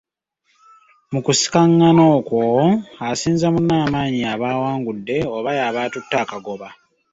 "Mu kusikagana okwo, asinza munne amaanyi y’aba awangudde oba y’aba atutte akagoba."